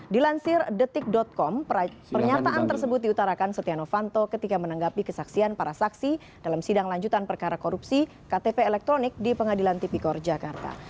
dilansir detik com pernyataan tersebut diutarakan setia novanto ketika menanggapi kesaksian para saksi dalam sidang lanjutan perkara korupsi ktp elektronik di pengadilan tipikor jakarta